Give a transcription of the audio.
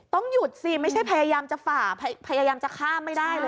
ต้องหยุดสิไม่ใช่พยายามจะฝ่าพยายามจะข้ามไม่ได้เลย